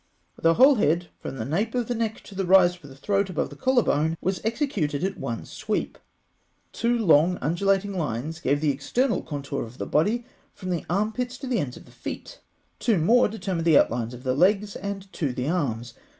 The whole head, from the nape of the neck to the rise of the throat above the collar bone, was executed at one sweep. Two long undulating lines gave the external contour of the body from the armpits to the ends of the feet. Two more determined the outlines of the legs, and two the arms.